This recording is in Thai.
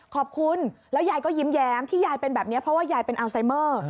ขอบคุณแล้วยายก็ยิ้มแย้มที่ยายเป็นแบบนี้เพราะว่ายายเป็นอัลไซเมอร์